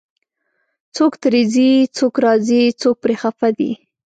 څوک ترې ځي، څوک راځي، څوک پرې خفه دی